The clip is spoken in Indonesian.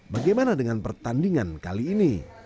bagaimana dengan pertandingan kali ini